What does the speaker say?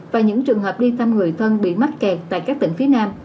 và những trường hợp đi thăm người thân bị mắc kẹt tại các tỉnh phía nam